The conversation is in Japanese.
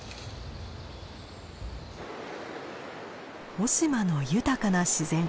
雄島の豊かな自然。